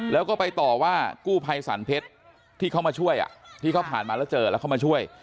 แล้วก็ไปต่อว่ากู้ภัยสรรเพชรที่เขามาช่วยที่เขาผ่านมาแล้วเจอแล้วเข้ามาช่วย